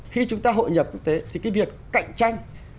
khi chúng ta hội nhập quốc tế thì cái việc cạnh tranh